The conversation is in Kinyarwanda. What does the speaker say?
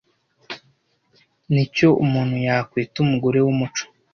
Nicyo umuntu yakwita umugore wumuco.